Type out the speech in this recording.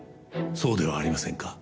そうではありませんか？